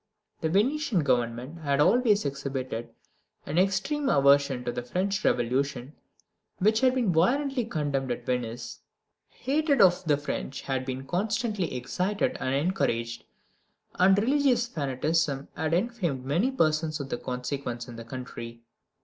The Venetian Government had always exhibited an extreme aversion to the French Revolution, which had been violently condemned at Venice. Hatred of the French had been constantly excited and encouraged, and religious fanaticism had inflamed many persons of consequence in the country.